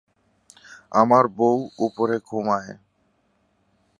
আমার বউ উপরে ঘুমায়।